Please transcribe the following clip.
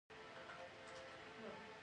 کړکۍ هوا بدلوي